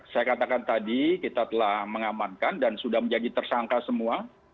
saya katakan tadi kita telah mengamankan dan sudah menjadi tersangka semua